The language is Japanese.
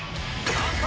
乾杯！